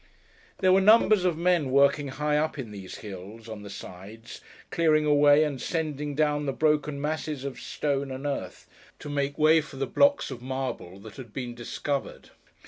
There were numbers of men, working high up in these hills—on the sides—clearing away, and sending down the broken masses of stone and earth, to make way for the blocks of marble that had been discovered.